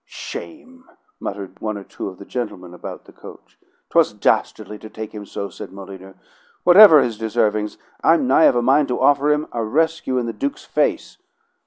"Shame!" muttered one or two of the gentlemen about the coach. "'Twas dastardly to take him so," said Molyneux. "Whatever his deservings, I'm nigh of a mind to offer him a rescue in the Duke's face."